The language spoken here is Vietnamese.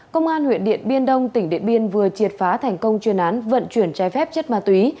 công an huyện điện biên đông tỉnh điện biên vừa triệt phá thành công chuyên án vận chuyển trái phép chất ma túy